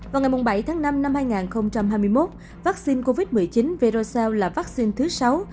vào ngày bảy tháng năm năm hai nghìn hai mươi một vắc xin covid một mươi chín verocell là vắc xin thứ sáu